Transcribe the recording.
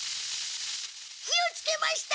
火をつけました！